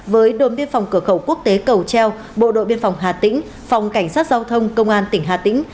với đồn biên phòng cửa khẩu quốc tế cầu treo bộ đội biên phòng hà tĩnh phòng cảnh sát giao thông công an tỉnh hà tĩnh